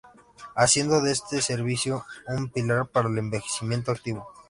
Haciendo de este servicio un pilar para el envejecimiento activo.